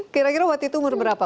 kira kira waktu itu umur berapa